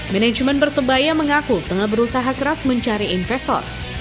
manajemen persebaya mengaku tengah berusaha keras mencari investor